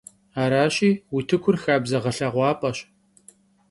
Araşi, vutıkur xabze ğelheğuap'eş.